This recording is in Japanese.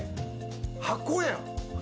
箱やん。